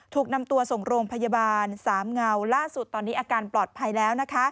ถูกนำตัวส่งโรงพยาบาลสามเงาล่าสุดตอนนี้อาการปลอดภัยแล้ว